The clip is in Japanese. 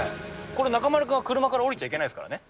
これ、中丸君は車から降りちゃいけないですからね。